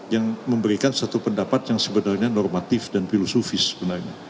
yang memberikan satu pendapat yang sebenarnya normatif dan filosofis sebenarnya